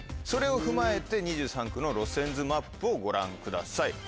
それを踏まえて２３区の路線図マップをご覧ください。